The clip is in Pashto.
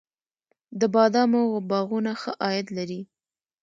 د بادامو باغونه ښه عاید لري؟